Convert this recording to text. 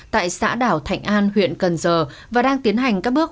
tại xã đảo thạnh an huyện cần giờ và đang tiến hành các bước